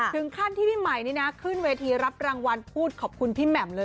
ถึงขั้นที่พี่ใหม่นี่นะขึ้นเวทีรับรางวัลพูดขอบคุณพี่แหม่มเลย